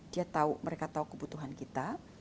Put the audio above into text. dia tahu mereka tahu kebutuhan kita